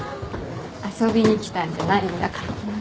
遊びに来たんじゃないんだから。